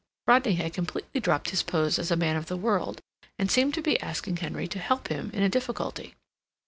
Rodney had completely dropped his pose as a man of the world, and seemed to be asking Henry to help him in a difficulty.